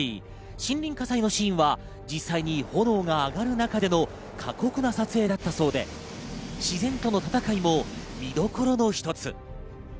森林火災のシーンは実際に炎が上がる中での過酷な撮影だったそうで、自然との戦いも見どころの一つ。